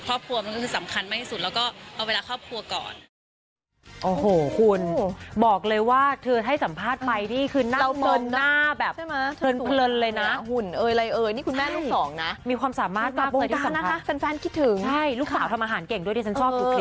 ครอบครัวมันก็คือสำคัญมากที่สุดแล้วก็เอาเวลาครอบครัวก่อน